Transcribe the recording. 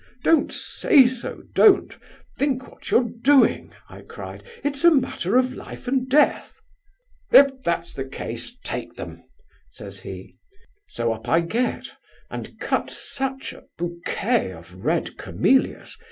'Don't say so, don't—think what you're doing!' I cried; 'it's a matter of life and death!' 'If that's the case, take them,' says he. So up I get, and cut such a bouquet of red camellias!